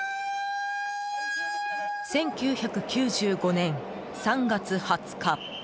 １９９５年３月２０日。